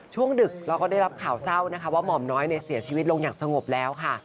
ดึกเราก็ได้รับข่าวเศร้านะคะว่าหม่อมน้อยเสียชีวิตลงอย่างสงบแล้วค่ะ